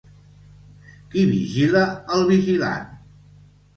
Qui vigila el vigilant?